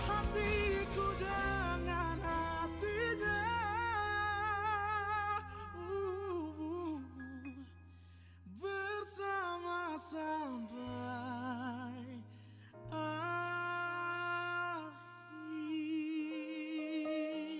aku senang mencintai kamu